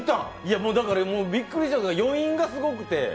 だからびっくりして、余韻がすごくて。